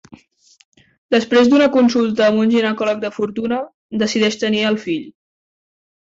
Després d'una consulta amb un ginecòleg de fortuna, decideix tenir el fill.